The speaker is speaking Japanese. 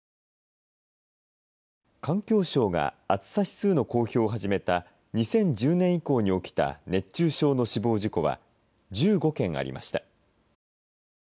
環境省が暑さ指数の公表を始めた２０１０年以降に起きた熱中症の死亡事故は１５件ありました。